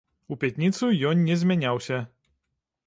У пятніцу ён не змяняўся.